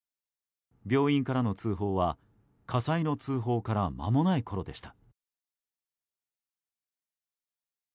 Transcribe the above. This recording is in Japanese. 病院からの通報は火災の通報から間もないころでした。